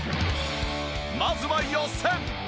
まずは予選。